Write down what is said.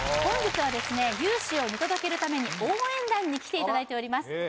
本日はですね勇姿を見届けるために応援団に来ていただいております